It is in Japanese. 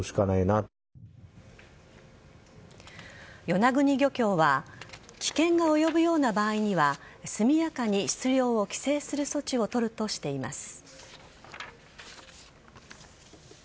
与那国漁協は危険が及ぶような場合には速やかに出漁を規制する措置を取るとしています。